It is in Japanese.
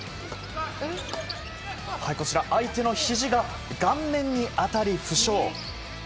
相手のひじが顔面に当たり負傷。